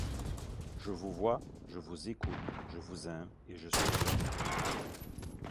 Je vous vois, je vous écoute, je vous aime, et je suis heureuse.